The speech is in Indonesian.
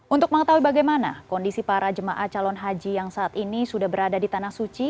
untuk mengetahui bagaimana kondisi para jemaah calon haji yang saat ini sudah berada di tanah suci